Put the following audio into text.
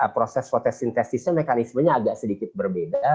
proses fotosintesisnya mekanismenya agak sedikit berbeda